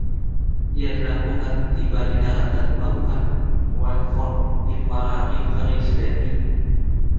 Dia dilaporkan tiba di daratan Pelabuhan Wexford di muara River Slaney.